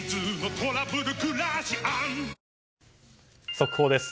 速報です。